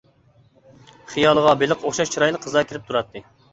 خىيالىغا بېلىققا ئوخشاش چىرايلىق قىزلار كىرىپ تۇراتتى.